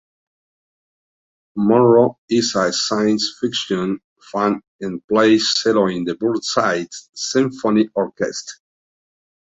Monro is a science fiction fan, and plays cello in the Burnside Symphony Orchestra.